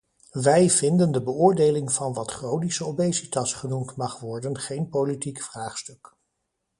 Wij vinden de beoordeling van wat chronische obesitas genoemd mag worden geen politiek vraagstuk.